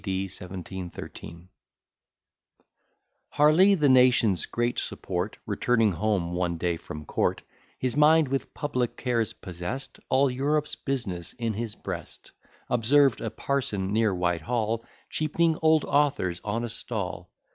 D. 1713 Harley, the nation's great support, Returning home one day from court, His mind with public cares possest, All Europe's business in his breast, Observed a parson near Whitehall, Cheap'ning old authors on a stall.